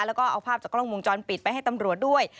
แล้วก็เอาภาพจากกล้องวงจรปิดไปให้ตำรวจด้วย